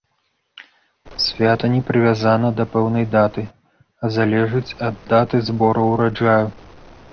Свята не прывязана да пэўнай даты, а залежыць ад даты збору ўраджаю.